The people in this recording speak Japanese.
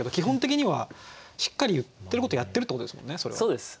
そうです。